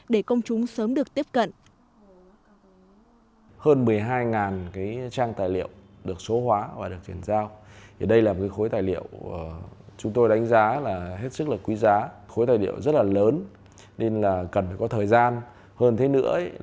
để công chúng sớm được tiếp cận